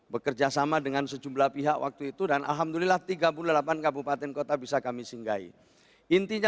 bekerjasama dengan sejumlah pihak waktu itu dan alhamdulillah tiga puluh delapan kabupaten kota ini sudah mengalami kesehatan tersebut